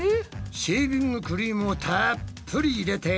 シェービングクリームをたっぷり入れて。